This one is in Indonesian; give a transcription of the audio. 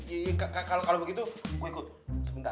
iya iya kalo begitu gue ikut sebentar